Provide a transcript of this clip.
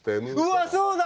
うわそうだ！